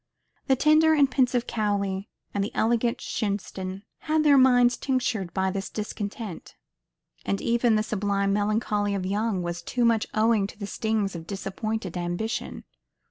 The tender and pensive Cowley, and the elegant Shenstone, had their minds tinctured by this discontent; and even the sublime melancholy of Young was too much owing to the stings of disappointed ambition.